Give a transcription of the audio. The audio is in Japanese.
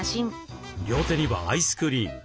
両手にはアイスクリーム。